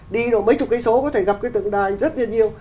đi rồi mấy chục cây số có thể gặp cái tượng đài rất là nhiều